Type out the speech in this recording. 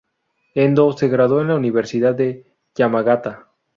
Endo se graduó en la Universidad de Yamagata.